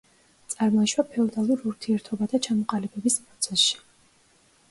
წარმოიშვა ფეოდალურ ურთიერთობათა ჩამოყალიბების პროცესში.